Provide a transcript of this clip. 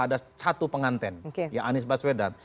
ada satu penganten ya anies baswedan